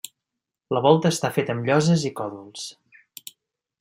La volta està feta amb lloses i còdols.